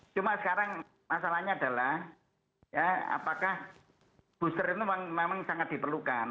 cuma sekarang masalahnya adalah ya apakah booster itu memang sangat diperlukan